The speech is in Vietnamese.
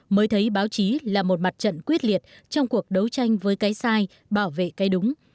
mới thấy báo chí là một mặt trận quyết liệt trong cuộc đấu tranh với cái sai bảo vệ cái đúng